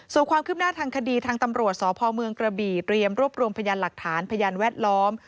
ส่วนความคืบหน้าทางคดีทางตำรวจสพเมืองกระบี่เตรียมรวบรวมพยานหลักฐานพยานแวดล้อม